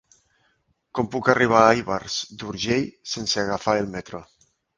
Com puc arribar a Ivars d'Urgell sense agafar el metro?